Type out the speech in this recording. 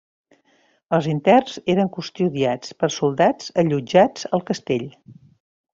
Els interns eren custodiats pels soldats allotjats al castell.